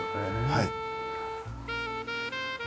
はい。